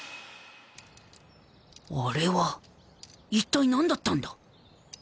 あれはいったい何だったんだ？